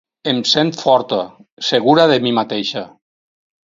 Em sent forta, segura de mi mateixa.